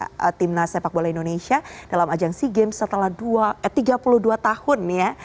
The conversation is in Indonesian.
pertama timnas sepak bola indonesia dalam ajang sea games setelah tiga puluh dua tahun ya